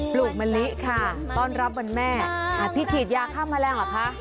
ลูกมะลิค่ะต้อนรับวันแม่พี่ฉีดยาฆ่าแมลงเหรอคะ